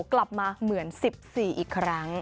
กลับมาเหมือน๑๔อีกครั้ง